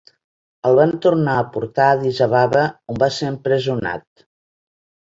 El van tornar a portar a Addis Ababa, on va ser empresonat.